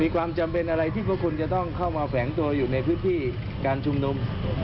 ความจำเป็นอะไรที่พวกคุณจะต้องเข้ามาแฝงตัวอยู่ในพื้นที่การชุมนุม